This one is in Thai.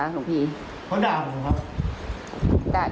เพราะด่าผมครับ